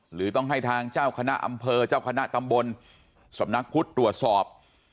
หรือต้องให้ทางเจ้าคณะอำเภอเจ้าคณะตำบลสำนักพุทธตรวจสอบ